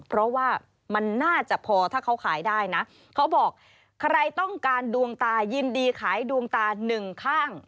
เพราะว่ามันน่าจะพอถ้าเขาขายได้นะเขาบอกใครต้องการดวงตายินดีขายดวงตาหนึ่งข้าง